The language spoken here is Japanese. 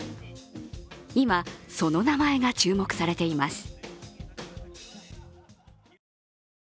今、その名前が注目されています。